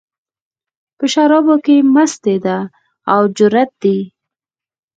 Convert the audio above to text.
په شرابو کې مستي ده، او جرت دی